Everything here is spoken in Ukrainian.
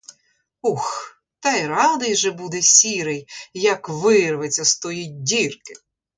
Ух, та й радий же буде сірий, як вирветься з тої дірки!